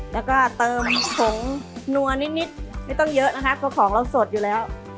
แล้วก็เติมผงนัวนิดไม่ต้องเยอะนะคะเพราะของเราสดอยู่แล้ว